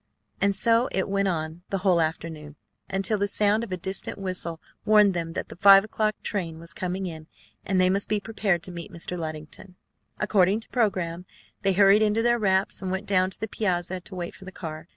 And so it went on the whole afternoon, until the sound of a distant whistle warned them that the five o'clock train was coming in and they must be prepared to meet Mr. Luddington. According to programme they hurried into their wraps, and went down to the piazza, to wait for the car.